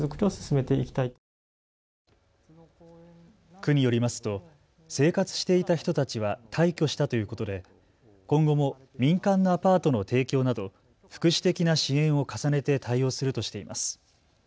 区によりますと生活していた人たちは退去したということで今後も民間のアパートの提供など福祉的な支援を重ねて対応するとしています。